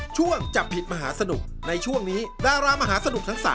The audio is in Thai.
ช่วงจับผิดมหาสนุกในช่วงนี้ดารามหาสนุกทั้ง๓